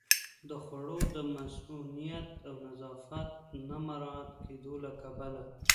د خوړو د مصئونیت او نظافت نه مراعت کېدو له کبله